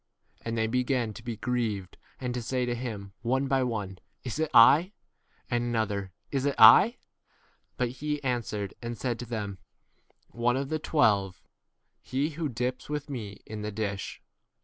r And they began to be grieved, and to say to him, one by one, Is it I ? 20 and another, Is it I ? But he an swered 8 and said to them, One of the twelve, he* who dips with me 21 in the dish.